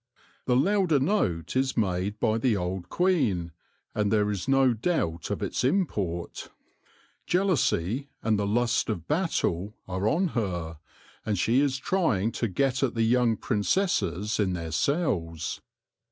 The louder note is made by the old queen, and there is no doubt of its import. Jealousy and the lust of battle are on her, and she is trying to get at the young princesses in their cells.